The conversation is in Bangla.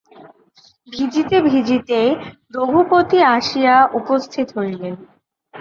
ভিজিতে ভিজিতে রঘুপতি আসিয়া উপস্থিত হইলেন।